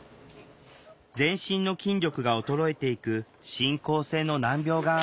全身の筋力が衰えていく進行性の難病がある。